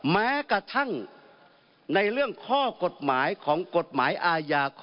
แม้กระทั่งในเรื่องข้อกฎหมายของกฎหมายอาญา